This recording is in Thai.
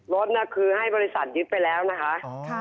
รถน่ะคือให้บริษัทยึดไปแล้วนะคะ